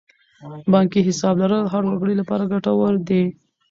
بانکي حساب لرل د هر وګړي لپاره ګټور دی.